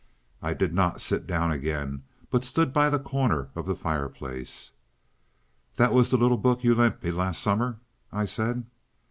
I did not sit down again, but stood by the corner of the fireplace. "That was the little book you lent me last summer?" I said.